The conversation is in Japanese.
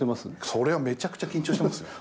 そりゃめちゃくちゃ緊張してますよ。